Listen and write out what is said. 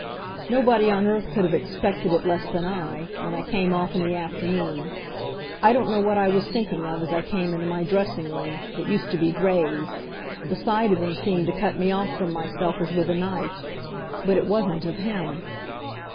Nobody on earth could have expected it less than I, when I came off in the afternoon. I don't know what I was thinking of as I came into my dressing room, that used to be Gray's the sight of him seemed to cut me off from myself as with a knife but it wasn't of him.